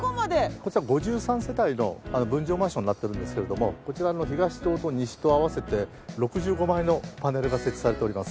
こちら５３世帯の分譲マンションになってるんですけれどもこちらの東棟と西棟合わせて６５枚のパネルが設置されております。